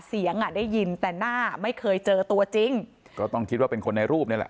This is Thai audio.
อ่ะได้ยินแต่หน้าไม่เคยเจอตัวจริงก็ต้องคิดว่าเป็นคนในรูปนี่แหละ